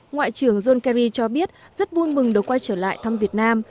ngoại trưởng john kerry cho biết rất vui mừng được quay trở lại thăm việt nam